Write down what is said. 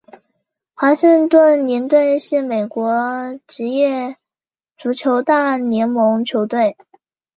华盛顿联队是美国职业足球大联盟球队。